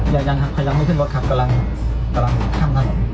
ยังครับพยายามไม่ขึ้นรถครับกำลังข้ามถนน